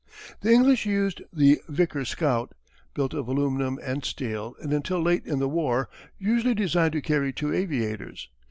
The English used the "Vickers Scout," built of aluminum and steel and until late in the war usually designed to carry two aviators.